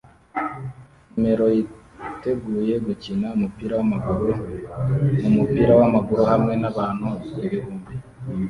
numero yiteguye gukina umupira wamaguru mumupira wamaguru hamwe nabantu ibihumbi